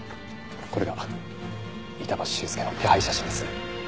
これが板橋秀介の手配写真です。